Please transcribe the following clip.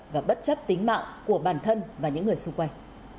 và bất chấp tính mạng của bản thân và những người xung quanh